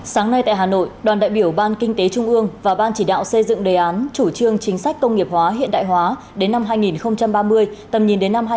sáng nay tại hà nội đoàn đại biểu ban kinh tế trung ương và ban chỉ đạo xây dựng đề án chủ trương chính sách công nghiệp hóa hiện đại hóa đến năm hai nghìn ba mươi tầm nhìn đến năm hai nghìn bốn mươi